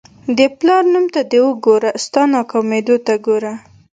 د پلار نوم ته دې ګوره ستا ناکامېدو ته ګوره.